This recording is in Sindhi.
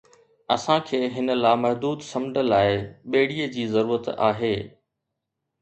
اسان کي هن لامحدود سمنڊ لاءِ ٻيڙيءَ جي ضرورت آهي